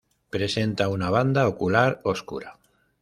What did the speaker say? Presenta una banda ocular oscura.